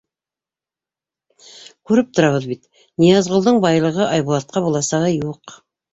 Күреп торабыҙ бит, Ныязғолдоң байлығы Айбулатҡа буласағы юҡ.